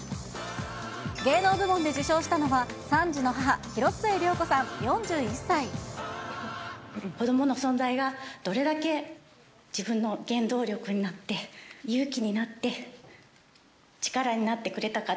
芸能部門で受賞したのは、３児の子どもの存在が、どれだけ自分の原動力になって、勇気になって、力になってくれたか。